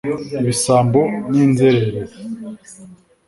ibisambo n’inzererezi